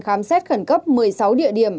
khám xét khẩn cấp một mươi sáu địa điểm